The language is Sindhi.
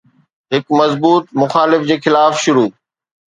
هڪ مضبوط مخالف جي خلاف شروع